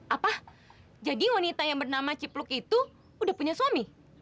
apa jadi wanita yang bernama cipluk itu udah punya suami